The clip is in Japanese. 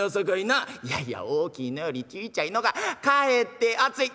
「いやいや大きいのよりちいちゃいのがかえって熱い」。